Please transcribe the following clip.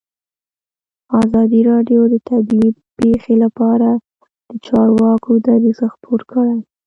ازادي راډیو د طبیعي پېښې لپاره د چارواکو دریځ خپور کړی.